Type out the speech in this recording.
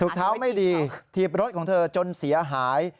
เท้าไม่ดีถีบรถของเธอจนเสียหาย